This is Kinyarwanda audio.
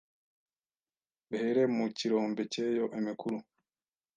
behere mu kirombe cyeyo emekuru